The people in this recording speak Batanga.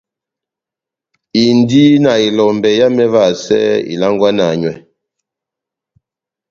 Indi na elombɛ yámɛ évahasɛ ilangwana nywɛ.